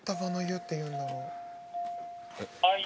はい。